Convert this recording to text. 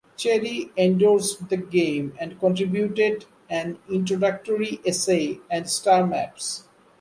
Cherryh endorsed the game and contributed an introductory essay and star maps.